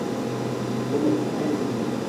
বল কোথায় গেছে সে।